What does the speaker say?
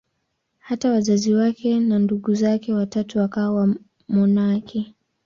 Hata wazazi wake na ndugu zake watatu wakawa wamonaki.